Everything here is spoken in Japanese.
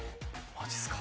「マジっすか？」